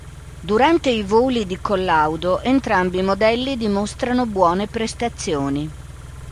Durante i voli di collaudo entrambi i modelli dimostrano buone prestazioni.